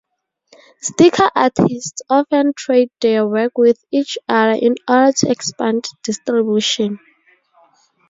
Sticker artists often trade their work with each other in order to expand distribution.